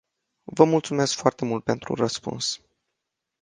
Vă mulțumesc foarte mult pentru răspuns.